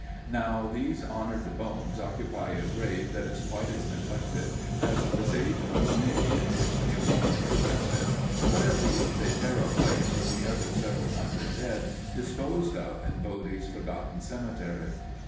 Now these honored bones occupy a grave that is quite as neglected as the sage grown niche in which they originally rested, but at least they share a place with the other several hundred dead disposed of in Bodie's forgotten cemetery.